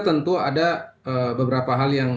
tentu ada beberapa hal yang